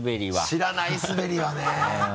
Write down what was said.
知らないスベりはね。